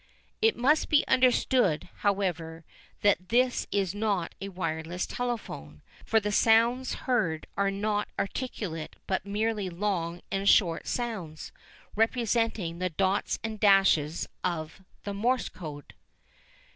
It must be understood, however, that this is not a wireless telephone, for the sounds heard are not articulate but merely long and short sounds, representing the dots and dashes of the "Morse Code."